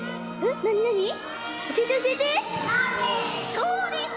そうです。